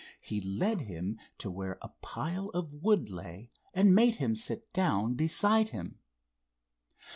He led him to where a pile of wood lay and made him sit down beside him.